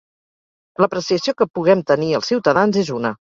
L'apreciació que puguem tenir els ciutadans és una.